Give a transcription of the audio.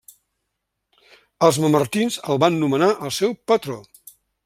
Els mamertins el van nomenar el seu patró.